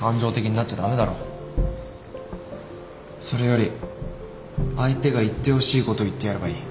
それより相手が言ってほしいこと言ってやればいい。